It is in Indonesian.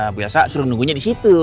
mbak elsa suruh nunggunya di situ